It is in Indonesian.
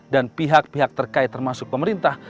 dan pihak pihak terkait termasuk pemerintah